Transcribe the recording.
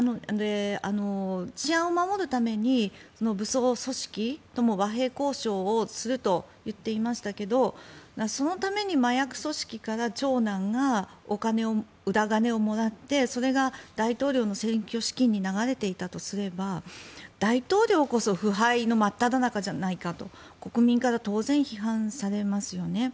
治安を守るために武装組織とも和平交渉すると言っていましたけどそのために麻薬組織から長男が裏金をもらってそれが大統領の選挙資金に流れていたとすれば大統領こそ腐敗の真っただ中じゃないかと国民から当然批判されますよね。